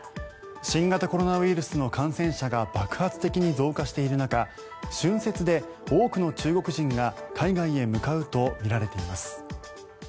新型コロナウイルスの感染者が爆発的に増加している中春節で多くの中国人が海外へ向かうとみられています。